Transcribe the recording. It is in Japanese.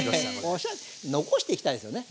おしゃれ残していきたいですよね。